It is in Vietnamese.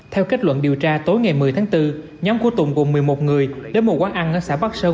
theo kết luận điều tra tối ngày một mươi tháng bốn nhóm của tùng gồm một mươi một người đến một quán ăn ở xã bắc sơn